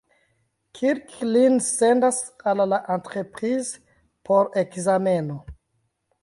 Kirk lin sendas al la "Enterprise" por ekzameno.